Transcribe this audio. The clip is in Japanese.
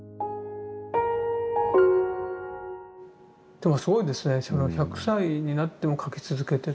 でもすごいですね１００歳になっても描き続けてる。